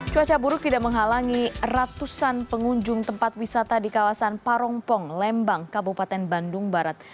cuaca buruk tidak menghalangi ratusan pengunjung tempat wisata di kawasan parongpong lembang kabupaten bandung barat